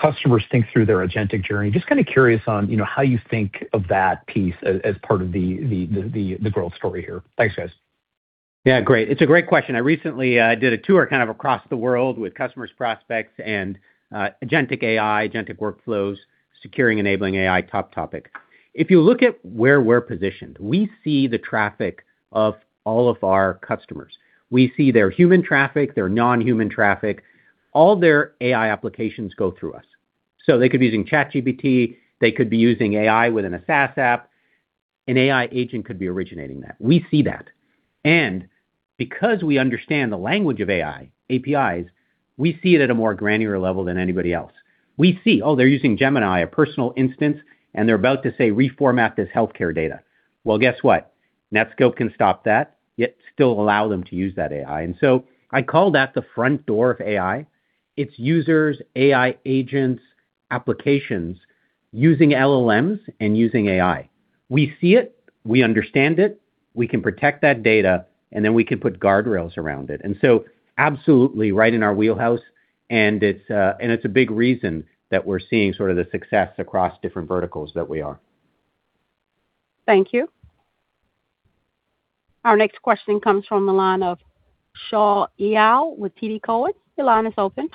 customers think through their agentic journey. Just kind of curious on how you think of that piece as part of the growth story here. Thanks, guys. Yeah, great. It's a great question. I recently did a tour kind of across the world with customers' prospects and agentic AI, agentic workflows, securing enabling AI top topic. If you look at where we're positioned, we see the traffic of all of our customers. We see their human traffic, their non-human traffic. All their AI applications go through us. So they could be using ChatGPT, they could be using AI within a SaaS app, an AI agent could be originating that. We see that, and because we understand the language of AI, APIs, we see it at a more granular level than anybody else. We see, oh, they're using Gemini, a personal instance, and they're about to say, "Reformat this healthcare data." Well, guess what? Netskope can stop that, yet still allow them to use that AI, and so I call that the front door of AI. It's users, AI agents, applications using LLMs and using AI. We see it, we understand it, we can protect that data, and then we can put guardrails around it. And so absolutely right in our wheelhouse, and it's a big reason that we're seeing sort of the success across different verticals that we are. Thank you. Our next question comes from the line of Shaul Eyal with TD Cowen. Your line is open.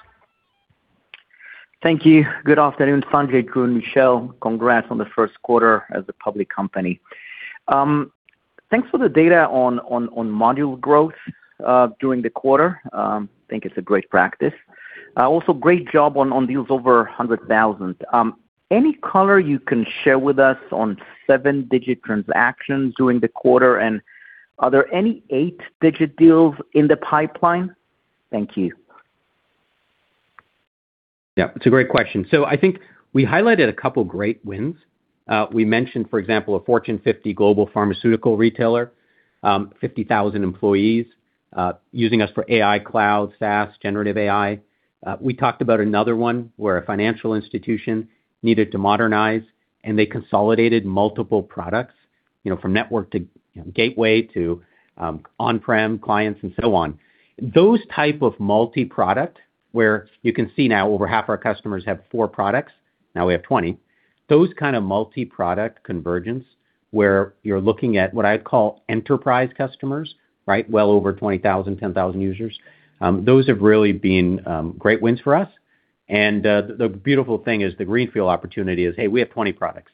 Thank you. Good afternoon, Sanjay and Michelle. Congrats on the first quarter as a public company. Thanks for the data on module growth during the quarter. I think it's a great practice. Also, great job on deals over 100,000. Any color you can share with us on seven-digit transactions during the quarter, and are there any eight-digit deals in the pipeline? Thank you. Yeah, it's a great question. So I think we highlighted a couple of great wins. We mentioned, for example, a Fortune 50 global pharmaceutical retailer, 50,000 employees using us for AI cloud, SaaS, generative AI. We talked about another one where a financial institution needed to modernize, and they consolidated multiple products from network to gateway to on-prem clients and so on. Those type of multi-product where you can see now over half our customers have four products, now we have 20. Those kind of multi-product convergence where you're looking at what I'd call enterprise customers, right, well over 20,000, 10,000 users. Those have really been great wins for us. And the beautiful thing is the greenfield opportunity is, hey, we have 20 products.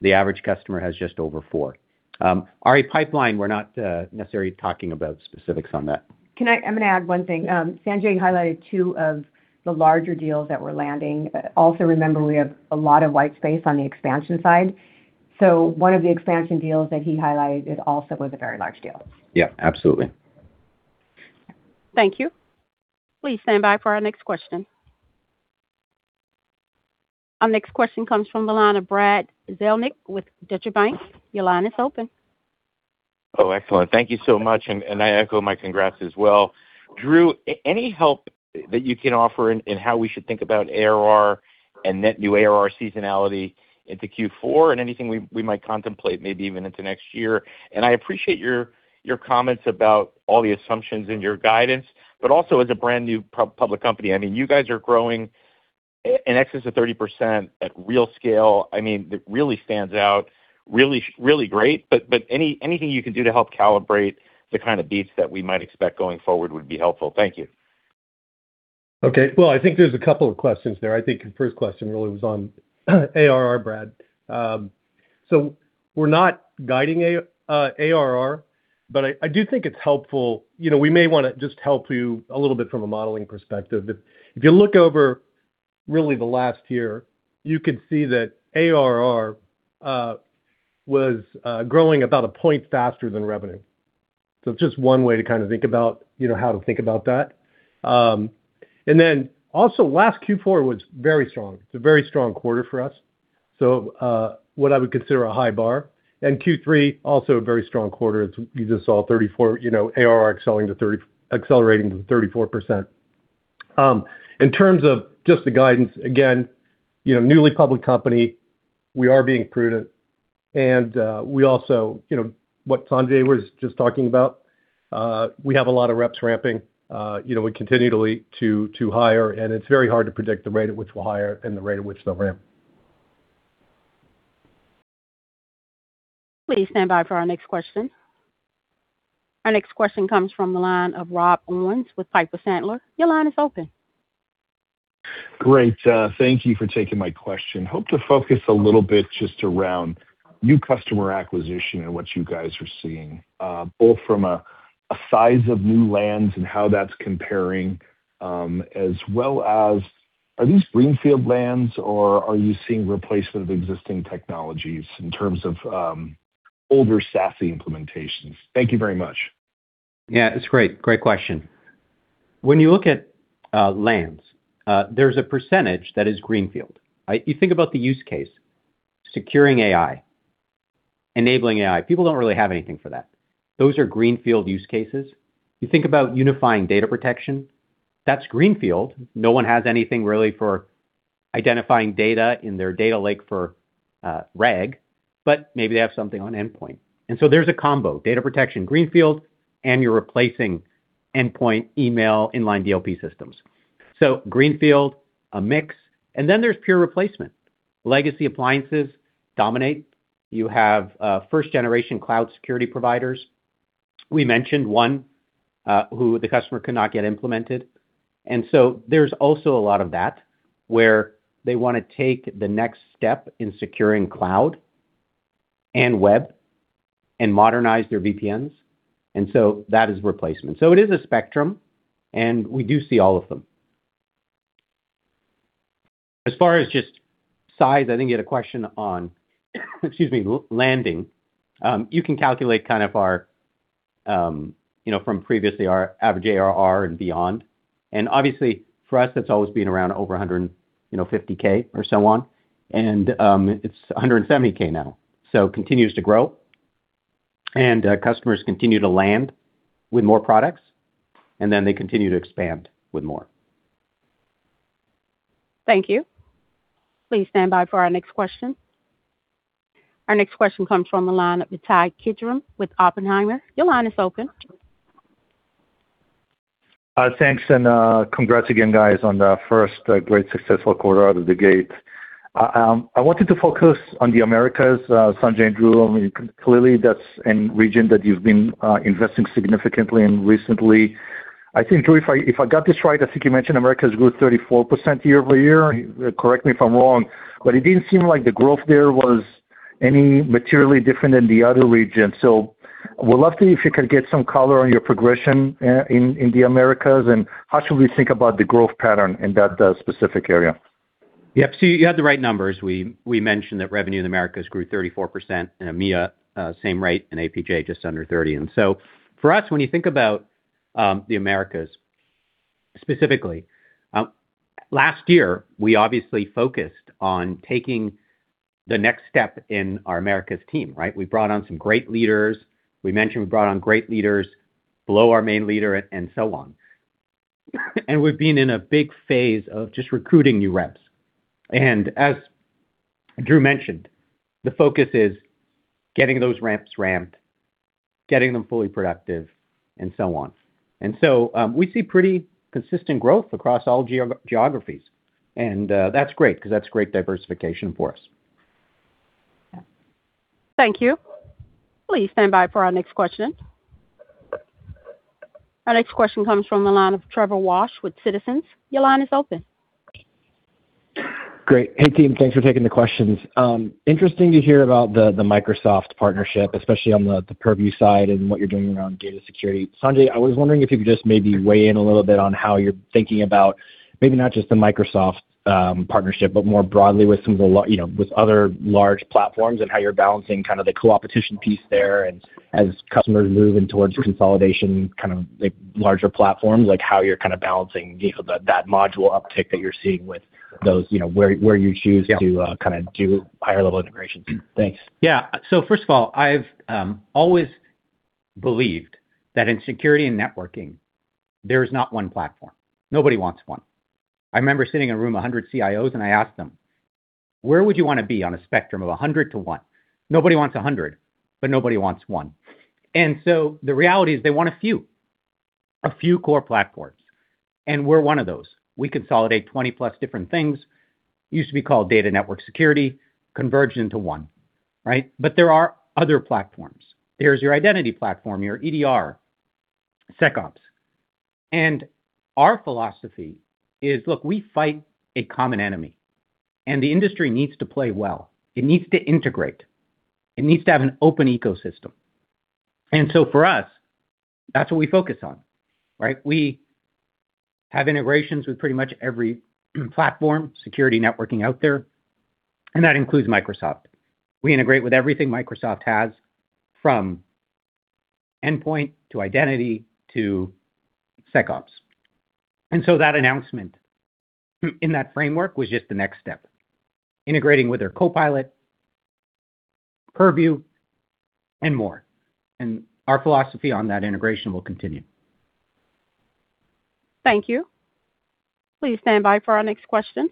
The average customer has just over four. Our pipeline, we're not necessarily talking about specifics on that. I'm going to add one thing. Sanjay highlighted two of the larger deals that we're landing. Also, remember, we have a lot of white space on the expansion side. So one of the expansion deals that he highlighted also was a very large deal. Yeah, absolutely. Thank you. Please stand by for our next question. Our next question comes from the line of Brad Zelnick with Deutsche Bank. Your line is open. Oh, excellent. Thank you so much. And I echo my congrats as well. Drew, any help that you can offer in how we should think about ARR and net new ARR seasonality into Q4 and anything we might contemplate maybe even into next year? And I appreciate your comments about all the assumptions and your guidance, but also as a brand new public company, I mean, you guys are growing in excess of 30% at real scale. I mean, it really stands out, really great, but anything you can do to help calibrate the kind of beats that we might expect going forward would be helpful. Thank you. Okay, well, I think there's a couple of questions there. I think the first question really was on ARR, Brad, so we're not guiding ARR, but I do think it's helpful. We may want to just help you a little bit from a modeling perspective. If you look over really the last year, you could see that ARR was growing about a point faster than revenue, so it's just one way to kind of think about how to think about that, and then also, last Q4 was very strong. It's a very strong quarter for us, so what I would consider a high bar, and Q3, also a very strong quarter. You just saw ARR accelerating to 34%. In terms of just the guidance, again, newly public company, we are being prudent. And we also, what Sanjay was just talking about, we have a lot of reps ramping. We continue to hire, and it's very hard to predict the rate at which we'll hire and the rate at which they'll ramp. Please stand by for our next question. Our next question comes from the line of Rob Owens with Piper Sandler. Your line is open. Great. Thank you for taking my question. Hope to focus a little bit just around new customer acquisition and what you guys are seeing, both from a size of new lands and how that's comparing, as well as are these greenfield lands, or are you seeing replacement of existing technologies in terms of older SaaS implementations? Thank you very much. Yeah, it's great. Great question. When you look at lands, there's a percentage that is greenfield. You think about the use case, securing AI, enabling AI. People don't really have anything for that. Those are greenfield use cases. You think about unifying data protection. That's greenfield. No one has anything really for identifying data in their data lake for RAG, but maybe they have something on endpoint. And so there's a combo, data protection, greenfield, and you're replacing endpoint, email, inline DLP systems. So greenfield, a mix. And then there's pure replacement. Legacy appliances dominate. You have first-generation cloud security providers. We mentioned one who the customer could not get implemented. And so there's also a lot of that where they want to take the next step in securing cloud and web and modernize their VPNs. And so that is replacement. So it is a spectrum, and we do see all of them. As far as just size, I think you had a question on, excuse me, landing. You can calculate kind of our from previously our average ARR and beyond. And obviously, for us, that's always been around over $150,000 or so on. And it's $170,000 now. So continues to grow. And customers continue to land with more products, and then they continue to expand with more. Thank you. Please stand by for our next question. Our next question comes from the line of Ittai Kidron with Oppenheimer. Your line is open. Thanks, and congrats again, guys, on the first great successful quarter out of the gate. I wanted to focus on the Americas. Sanjay, Drew, clearly, that's a region that you've been investing significantly in recently. I think, Drew, if I got this right, I think you mentioned Americas grew 34% year-over-year. Correct me if I'm wrong, but it didn't seem like the growth there was any materially different than the other region. So we'd love to, if you could get some color on your progression in the Americas, and how should we think about the growth pattern in that specific area? Yep. So you had the right numbers. We mentioned that revenue in the Americas grew 34%, and EMEA, same rate, and APJ just under 30. And so for us, when you think about the Americas specifically, last year, we obviously focused on taking the next step in our Americas team, right? We mentioned we brought on great leaders below our main leader and so on. And we've been in a big phase of just recruiting new reps. And as Drew mentioned, the focus is getting those ramps ramped, getting them fully productive, and so on. And so we see pretty consistent growth across all geographies. And that's great because that's great diversification for us. Thank you. Please stand by for our next question. Our next question comes from the line of Trevor Walsh with Citizens. Your line is open. Great. Hey, team, thanks for taking the questions. Interesting to hear about the Microsoft partnership, especially on the Purview side and what you're doing around data security. Sanjay, I was wondering if you could just maybe weigh in a little bit on how you're thinking about maybe not just the Microsoft partnership, but more broadly with some of the other large platforms and how you're balancing kind of the co-opetition piece there and as customers move in towards consolidation, kind of larger platforms, like how you're kind of balancing that module uptick that you're seeing with those where you choose to kind of do higher-level integrations. Thanks. Yeah. So first of all, I've always believed that in security and networking, there is not one platform. Nobody wants one. I remember sitting in a room of 100 CIOs, and I asked them, "Where would you want to be on a spectrum of 100 to 1?" Nobody wants 100, but nobody wants one. And so the reality is they want a few, a few core platforms. We're one of those. We consolidate 20+ different things. It used to be called data network security, converged into one, right? But there are other platforms. There's your identity platform, your EDR, SecOps. And our philosophy is, "Look, we fight a common enemy." And the industry needs to play well. It needs to integrate. It needs to have an open ecosystem. And so for us, that's what we focus on, right? We have integrations with pretty much every platform, security networking out there. And that includes Microsoft. We integrate with everything Microsoft has from endpoint to identity to SecOps. And so that announcement in that framework was just the next step, integrating with their Copilot, Purview, and more. And our philosophy on that integration will continue. Thank you. Please stand by for our next question.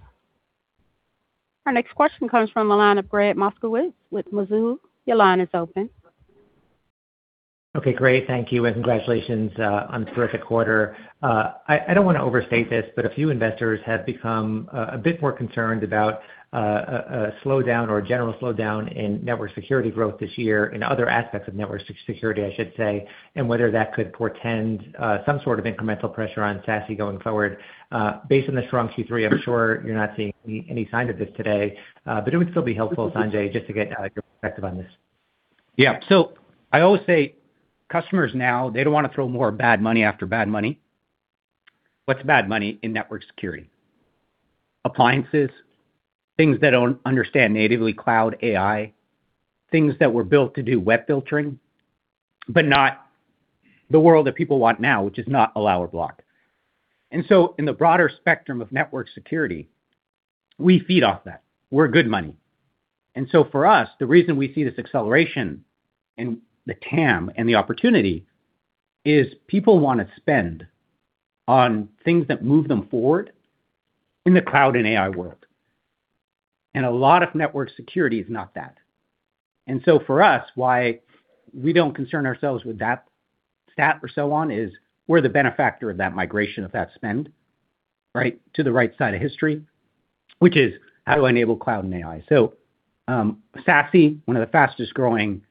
Our next question comes from the line of Gregg Moskowitz with Mizuho. Your line is open. Okay. Great. Thank you. And congratulations on a terrific quarter. I don't want to overstate this, but a few investors have become a bit more concerned about a slowdown or a general slowdown in network security growth this year in other aspects of network security, I should say, and whether that could portend some sort of incremental pressure on SaaS going forward. Based on the strong Q3, I'm sure you're not seeing any sign of this today. But it would still be helpful, Sanjay, just to get your perspective on this. Yeah. So I always say customers now, they don't want to throw more bad money after bad money. What's bad money in network security? Appliances, things that don't understand natively cloud AI, things that were built to do web filtering, but not the world that people want now, which is not a lower block. And so in the broader spectrum of network security, we feed off that. We're good money. And so for us, the reason we see this acceleration in the TAM and the opportunity is people want to spend on things that move them forward in the cloud and AI world. And a lot of network security is not that. And so for us, why we don't concern ourselves with that stat or so on is we're the benefactor of that migration of that spend, right, to the right side of history, which is how to enable cloud and AI. So SaaS, one of the fastest-growing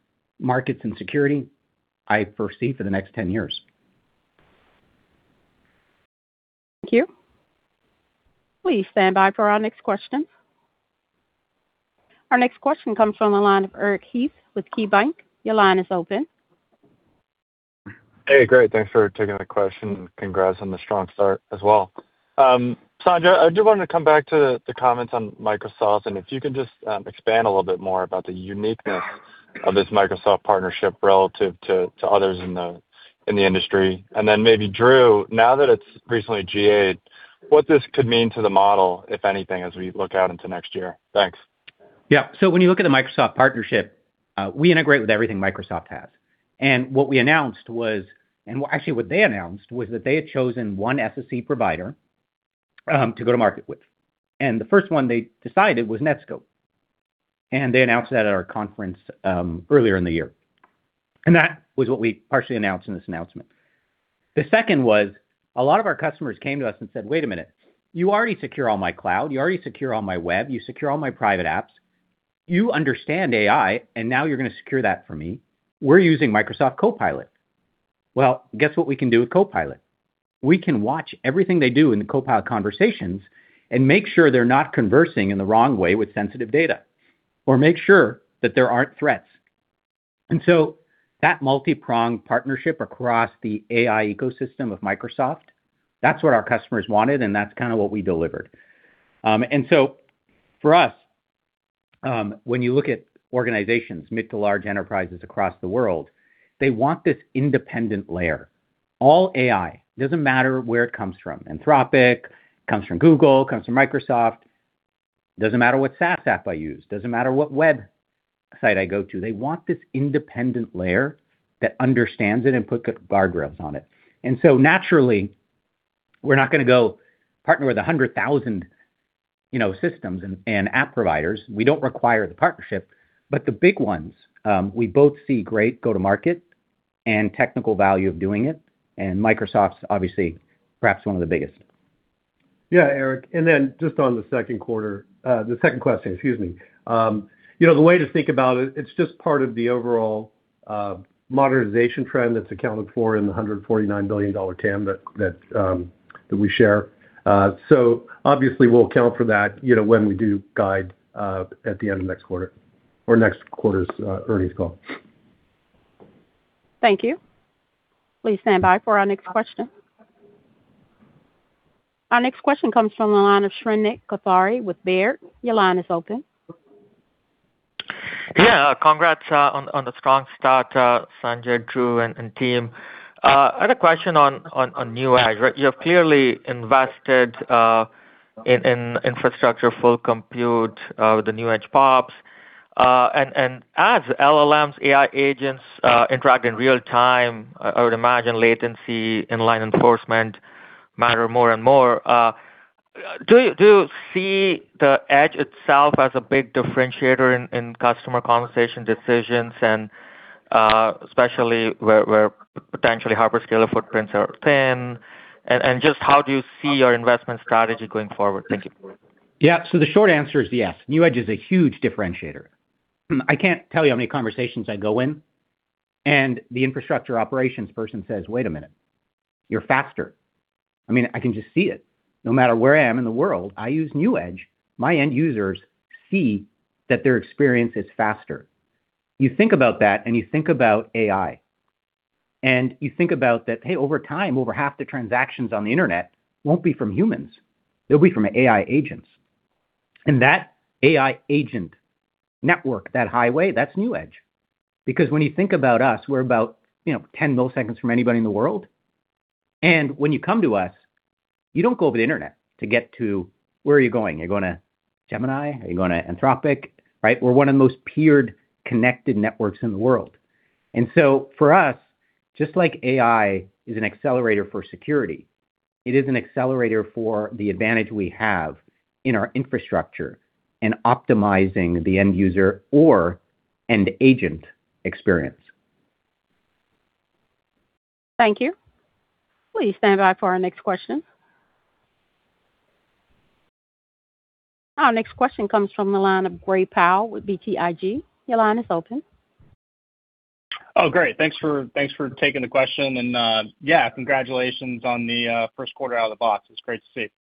markets in security, I foresee for the next 10 years. Thank you. Please stand by for our next question. Our next question comes from the line of Eric Heath with KeyBanc. Your line is open. Hey, great. Thanks for taking the question. Congrats on the strong start as well. Sanjay, I do want to come back to the comments on Microsoft. And if you can just expand a little bit more about the uniqueness of this Microsoft partnership relative to others in the industry. And then maybe, Drew, now that it's recently GA, what this could mean to the model, if anything, as we look out into next year. Thanks. Yeah. So when you look at the Microsoft partnership, we integrate with everything Microsoft has. And what we announced was, and actually what they announced was that they had chosen one SSE provider to go to market with. And the first one they decided was Netskope. And they announced that at our conference earlier in the year. And that was what we partially announced in this announcement. The second was a lot of our customers came to us and said, "Wait a minute. You already secure all my cloud. You already secure all my web. You secure all my private apps. You understand AI, and now you're going to secure that for me. We're using Microsoft Copilot." Well, guess what we can do with Copilot? We can watch everything they do in the Copilot conversations and make sure they're not conversing in the wrong way with sensitive data or make sure that there aren't threats. And so that multi-pronged partnership across the AI ecosystem of Microsoft, that's what our customers wanted, and that's kind of what we delivered. And so for us, when you look at organizations, mid to large enterprises across the world, they want this independent layer. All AI, it doesn't matter where it comes from, Anthropic, it comes from Google, it comes from Microsoft. It doesn't matter what SaaS app I use. It doesn't matter what website I go to. They want this independent layer that understands it and put guardrails on it. And so naturally, we're not going to go partner with 100,000 systems and app providers. We don't require the partnership. But the big ones, we both see great go-to-market and technical value of doing it. And Microsoft's obviously perhaps one of the biggest. Yeah, Eric. And then just on the second quarter, the second question, excuse me. The way to think about it, it's just part of the overall modernization trend that's accounted for in the $149 billion TAM that we share. So obviously, we'll account for that when we do guide at the end of next quarter or next quarter's earnings call. Thank you. Please stand by for our next question. Our next question comes from the line of Shrenik Kothari with Baird. Your line is open. Yeah. Congrats on the strong start, Sanjay, Drew, and team. I had a question on NewEdge. You have clearly invested in infrastructure full compute with the NewEdge PoPs. And as LLMs, AI agents interact in real time, I would imagine latency inline enforcement matter more and more. Do you see the Edge itself as a big differentiator in customer conversation decisions, and especially where potentially hyperscaler footprints are thin? And just how do you see your investment strategy going forward? Thank you. Yeah. So the short answer is yes. NewEdge is a huge differentiator. I can't tell you how many conversations I go in, and the infrastructure operations person says, "Wait a minute. You're faster." I mean, I can just see it. No matter where I am in the world, I use NewEdge. My end users see that their experience is faster. You think about that, and you think about AI and you think about that. Hey, over time, over half the transactions on the internet won't be from humans. They'll be from AI agents. And that AI agent network, that highway, that's NewEdge. Because when you think about us, we're about 10 milliseconds from anybody in the world. And when you come to us, you don't go over the internet to get to where are you going? Are you going to Gemini? Are you going to Anthropic? Right? We're one of the most peered, connected networks in the world. And so for us, just like AI is an accelerator for security, it is an accelerator for the advantage we have in our infrastructure and optimizing the end user or end agent experience. Thank you. Please stand by for our next question. Our next question comes from the line of Gray Powell with BTIG. Your line is open. Oh, great. Thanks for taking the question. And yeah, congratulations on the first quarter out of the box. It's great to see.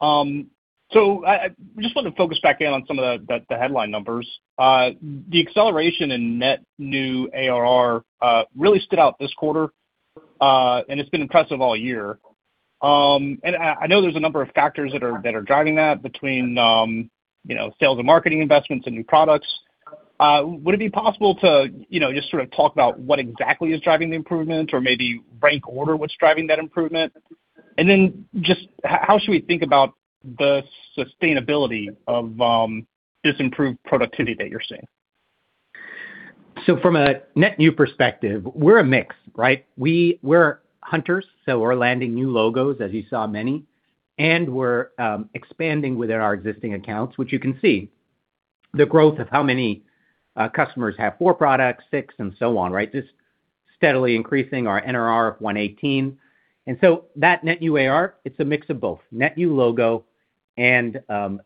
So I just want to focus back in on some of the headline numbers. The acceleration in net new ARR really stood out this quarter, and it's been impressive all year. And I know there's a number of factors that are driving that between sales and marketing investments and new products. Would it be possible to just sort of talk about what exactly is driving the improvement or maybe rank order what's driving that improvement? And then just how should we think about the sustainability of this improved productivity that you're seeing? So from a net new perspective, we're a mix, right? We're hunters, so we're landing new logos, as you saw many. And we're expanding within our existing accounts, which you can see the growth of how many customers have four products, six, and so on, right? Just steadily increasing our NRR of 118%. And so that net new ARR, it's a mix of both net new logo and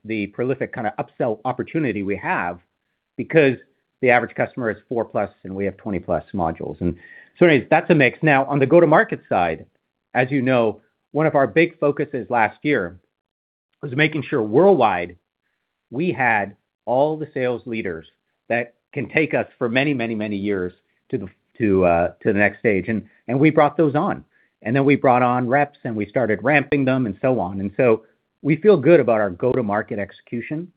the prolific kind of upsell opportunity we have because the average customer is four-plus and we have 20+ modules. And so anyways, that's a mix. Now, on the go-to-market side, as you know, one of our big focuses last year was making sure worldwide we had all the sales leaders that can take us for many, many, many years to the next stage. And we brought those on. And then we brought on reps and we started ramping them and so on. And so we feel good about our go-to-market execution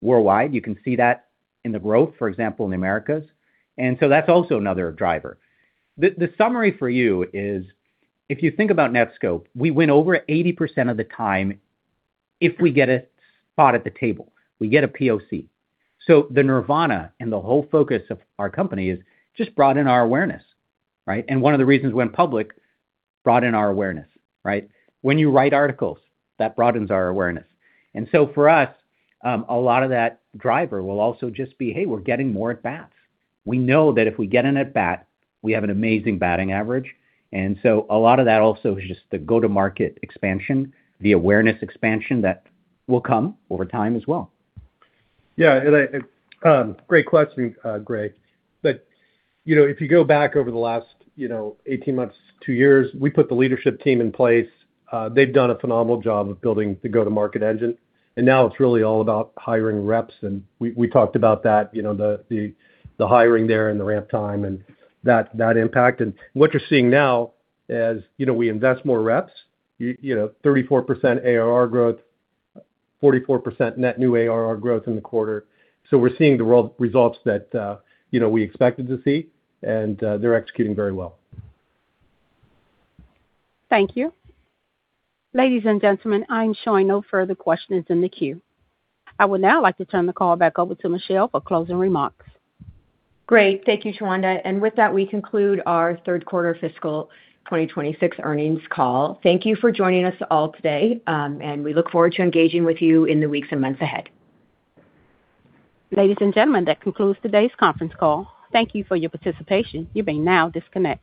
worldwide. You can see that in the growth, for example, in the Americas. And so that's also another driver. The summary for you is, if you think about Netskope, we win over 80% of the time if we get a spot at the table. We get a POC. So the nirvana and the whole focus of our company is just broaden our awareness, right? And one of the reasons when public broaden our awareness, right? When you write articles, that broadens our awareness. And so for us, a lot of that driver will also just be, "Hey, we're getting more at bats." We know that if we get in at bat, we have an amazing batting average. And so a lot of that also is just the go-to-market expansion, the awareness expansion that will come over time as well. Yeah. And great question, Gray. But if you go back over the last 18 months, two years, we put the leadership team in place. They've done a phenomenal job of building the go-to-market engine. And now it's really all about hiring reps. And we talked about that, the hiring there and the ramp time and that impact. And what you're seeing now is we invest more reps, 34% ARR growth, 44% net new ARR growth in the quarter. So we're seeing the results that we expected to see, and they're executing very well. Thank you. Ladies and gentlemen, I'm showing no further questions in the queue. I would now like to turn the call back over to Michelle for closing remarks. Great. Thank you, Shawanda. And with that, we conclude our third quarter fiscal 2026 earnings call. Thank you for joining us all today, and we look forward to engaging with you in the weeks and months ahead. Ladies and gentlemen, that concludes today's conference call. Thank you for your participation. You may now disconnect.